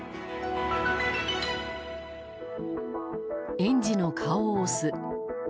園児の顔を押す。